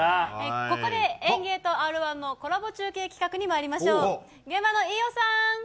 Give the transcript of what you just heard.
ここでＥＮＧＥＩとＲ−１のコラボ中継企画にまいりましょう。